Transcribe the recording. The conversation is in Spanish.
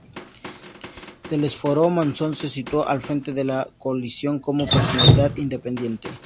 Telesforo Monzón se situó al frente de la coalición como personalidad independiente.